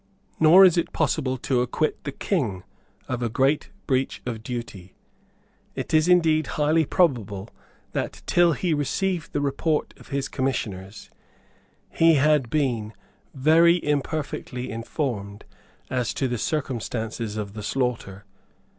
Nor is it possible to acquit the King of a great breach of duty. It is, indeed, highly probable that, till he received the report of his Commissioners, he had been very imperfectly informed as to the circumstances of the slaughter.